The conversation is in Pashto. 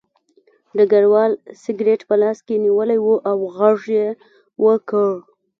ډګروال سګرټ په لاس کې نیولی و او غږ یې وکړ